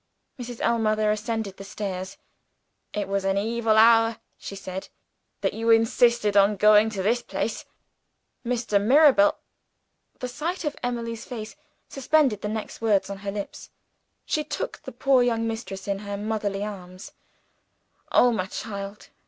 Mrs. Ellmother ascended the stairs. "It was an evil hour," she said, "that you insisted on going to this place. Mr. Mirabel " The sight of Emily's face suspended the next words on her lips. She took the poor young mistress in her motherly arms. "Oh, my child!